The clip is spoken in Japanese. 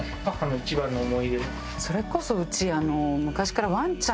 それこそうち。